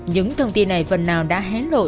những thông tin này phần nào đã hé lộ